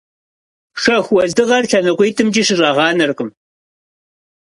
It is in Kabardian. Шэху уэздыгъэр лъэныкъуитӏымкӏи щыщӏагъанэркъым.